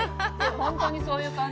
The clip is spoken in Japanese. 本当にそういう感じで。